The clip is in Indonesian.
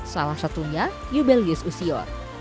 salah satunya yubelius usior